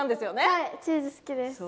はいチーズ好きです。